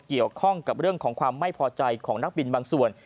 เกี่ยวข้องกับเรื่องของความไม่พอใจของนักบินบางส่วน